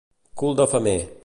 Cul de femer.